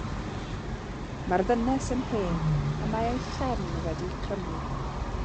Mae'r ddynes yn hen a mae'i chefn wedi crymu.